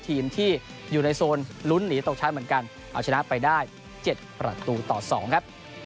ทีมที่อยู่ในโซนลุ้นหนีตกชั้นเหมือนกันเอาชนะไปได้๗ประตูต่อ๒ครับ